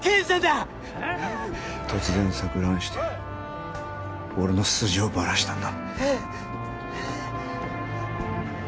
突然錯乱して俺の素性をバラしたんだ。